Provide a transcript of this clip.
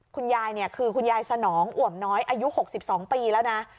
คุณยายคือคุณยายสนองอ่วมน้อยอายุ๖๒ปีแล้วนะ